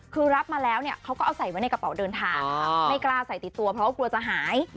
คือรับมาแล้วเนี่ยเขาก็เอาใส่ไว้ในกระเป๋าเดินทางไม่กล้าใส่ติดตัวเพราะว่ากลัวจะหาย